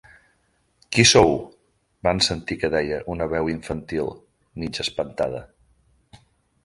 Qui sou? —van sentir que deia una veu infantil, mig espantada.